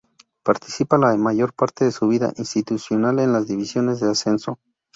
Participa la mayor parte de su vida institucional en las divisiones de ascenso.